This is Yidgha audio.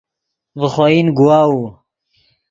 ڤے خوئن گواؤو